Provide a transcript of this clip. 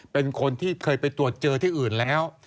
เป็นคนที่เคยไปตรวจเจอที่อื่นแล้ว